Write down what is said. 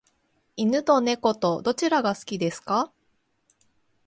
犬と猫とどちらが好きですか？